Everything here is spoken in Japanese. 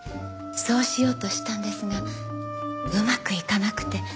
そうしようとしたんですがうまくいかなくて。